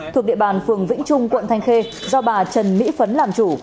thuộc địa bàn phường vĩnh trung quận thanh khê do bà trần mỹ phấn làm chủ